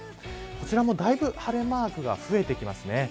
こちらも、だいぶ晴れマークが増えてきますね。